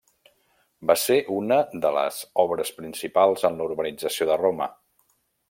Va ser una de les obres principals en la urbanització de Roma.